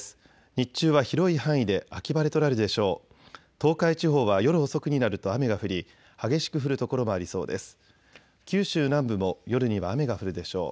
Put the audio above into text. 日中は広い範囲で秋晴れとなるでしょう。